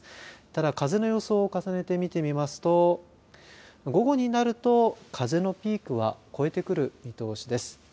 ただ、風の予想を重ねて見てみますと午後になると風のピークは越えてくる見通しです。